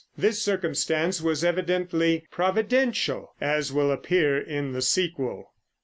This circumstance was evidently providential, as will appear in the sequel.